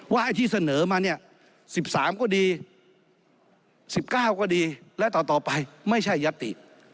ไอ้ที่เสนอมาเนี่ย๑๓ก็ดี๑๙ก็ดีและต่อไปไม่ใช่ยัตติ